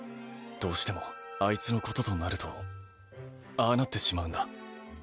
どうしてもあいつのこととなるとああなってしまうんだ。